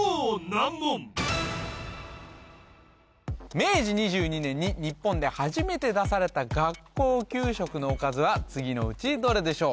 明治２２年に日本で初めて出された学校給食のおかずは次のうちどれでしょう？